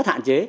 rất hạn chế